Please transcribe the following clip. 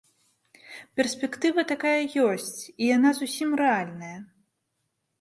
Перспектыва такая ёсць, і яна зусім рэальная.